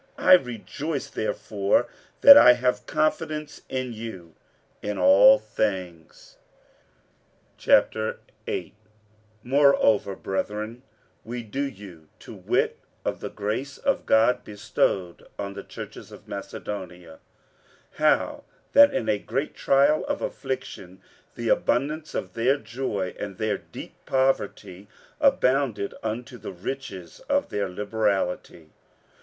47:007:016 I rejoice therefore that I have confidence in you in all things. 47:008:001 Moreover, brethren, we do you to wit of the grace of God bestowed on the churches of Macedonia; 47:008:002 How that in a great trial of affliction the abundance of their joy and their deep poverty abounded unto the riches of their liberality.